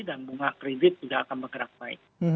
dan bunga kredit juga akan bergerak naik